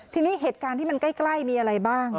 ทีนี้เหตุการณ์ที่มันใกล้มีอะไรบ้าง